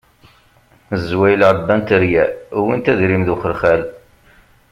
Zwayel ɛebbant rryal, wwint adrim d uxelxal.